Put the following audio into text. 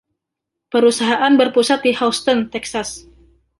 Perusahaan berpusat di Houston, Texas.